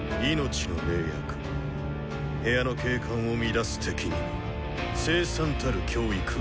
部屋の景観を乱す敵には凄惨たる「教育」を。